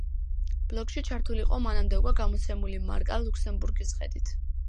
ბლოკში ჩართული იყო მანამდე უკვე გამოცემული მარკა ლუქსემბურგის ხედით.